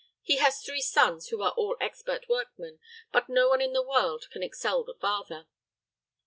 He has three sons who are all expert workmen, but no one in the world can excel the father."